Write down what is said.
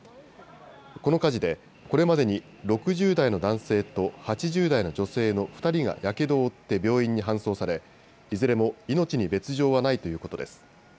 この火事で、これまでに６０代の男性と８０代の女性の２人がやけどを負って病院に搬送されいずれも命に別状はないということです。